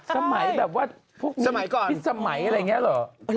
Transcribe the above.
สมัยแบบว่าพวกพิษสมัยอะไรอย่างนี้เหรอ